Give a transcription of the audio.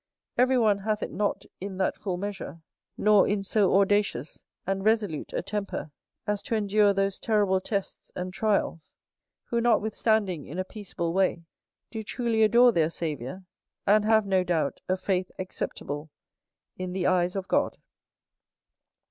Every one hath it not in that full measure, nor in so audacious and resolute a temper, as to endure those terrible tests and trials; who, notwithstanding, in a peaceable way, do truly adore their Saviour, and have, no doubt, a faith acceptable in the eyes of God.